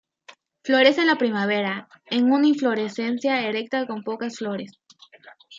Florece en la primavera en una inflorescencia erecta con pocas flores.